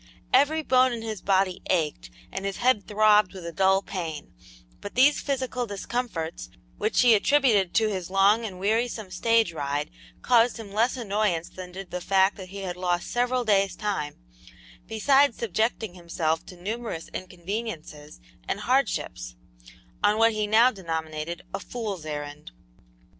Every bone in his body ached and his head throbbed with a dull pain, but these physical discomforts, which he attributed to his long and wearisome stage ride, caused him less annoyance than did the fact that he had lost several days' time, besides subjecting himself to numerous inconveniences and hardships, on what he now denominated a "fool's errand."